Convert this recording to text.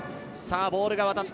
ボールが渡った。